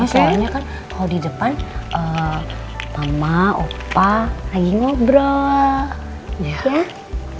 mas nino kan kalau di depan mama opa lagi ngobrol